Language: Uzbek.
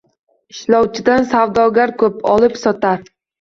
Ishlovchidan savdogar koʼp, olib sotar